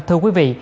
thưa quý vị